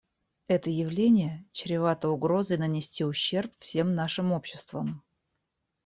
Это явление чревато угрозой нанести ущерб всем нашим обществам.